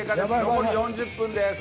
残り４０分です。